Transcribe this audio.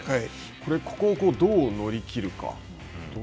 これ、ここをどう乗り切るか。